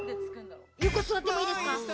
横、座ってもいいですか？